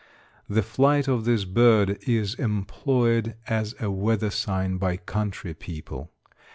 The flight of this bird is employed as a weather sign by country people.